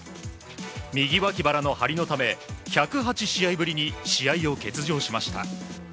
右わき腹の張りのため１０８試合ぶりに試合を欠場しました。